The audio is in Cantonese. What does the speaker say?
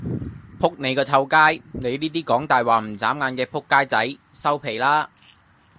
仆你個臭街，你依啲講大話唔眨眼嘅仆街仔，收皮啦